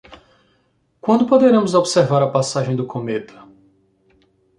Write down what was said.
Quando poderemos observar a passagem do cometa?